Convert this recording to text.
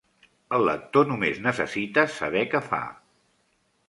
El lector només necessita saber què fa.